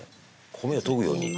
米を研ぐように。